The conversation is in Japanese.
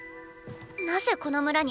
なぜこの村に？